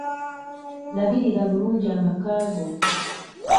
Labirira bulungi amaka go.